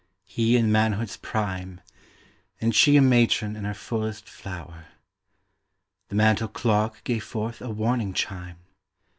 He in manhood's prime And she a matron in her fullest flower. The mantel clock gave forth a warning chime.